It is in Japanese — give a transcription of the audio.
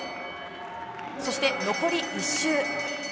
そして残り１周。